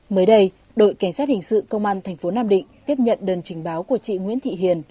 mới đây đội cảnh sát hình sự công an thành phố nam định tiếp nhận đơn trình báo của chị nguyễn thị hiền